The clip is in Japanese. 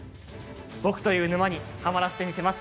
僕という沼にハマらせてみせます。